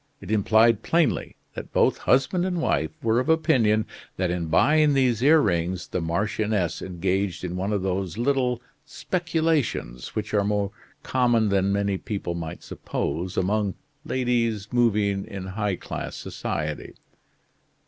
It implied plainly that both husband and wife were of opinion that in buying these earrings the marchioness engaged in one of those little speculations which are more common than many people might suppose among ladies moving in high class society.